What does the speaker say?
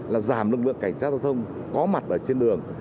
là giảm lực lượng cảnh sát giao thông có mặt ở trên đường